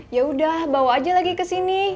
yaudah bawa aja lagi kesini